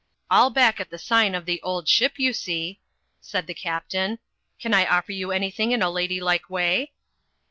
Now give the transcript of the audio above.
"AU back at the sign of The Old Ship,' you see," said the Captain. "Can I offer you an3rthing in a lady like way?"